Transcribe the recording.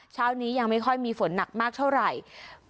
เช้านี้ยังไม่ค่อยมีฝนหนักมากเท่าไหร่